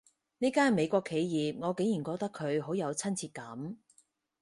呢間美國企業，我竟然覺得佢好有親切感